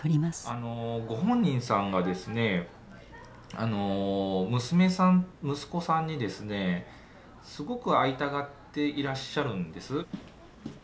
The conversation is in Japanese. あのご本人さんがですね娘さん息子さんにですねすごく会いたがっていらっしゃるんです。